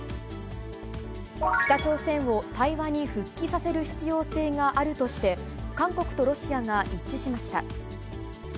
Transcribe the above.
北朝鮮を対話に復帰させる必要性があるとして、韓国とロシアが一致しました。